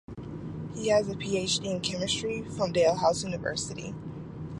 He has a Ph.D. in chemistry from Dalhousie University.